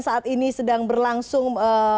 saat ini sedang berlangsung